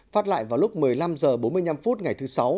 phát lại vào lúc một mươi năm h bốn mươi năm phút ngày thứ sáu